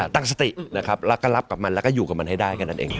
ตั้งสติลับกับมันแล้วก็อยู่กับมันให้ได้ค่อนนั้นเอง